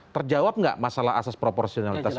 terjawab nggak masalah asas proporsionalitas ini